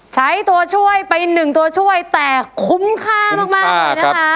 ใช้ตัวช่วยไป๑ตัวช่วยแต่คุ้มค่ามาก